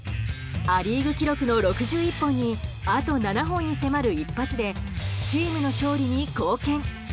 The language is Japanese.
ア・リーグ記録の６１本にあと７本に迫る一発でチームの勝利に貢献。